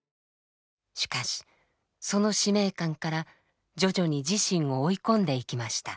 しかしその使命感から徐々に自身を追い込んでいきました。